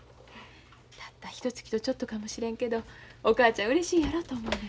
たったひとつきとちょっとかもしれんけどお母ちゃんうれしいやろと思うねん。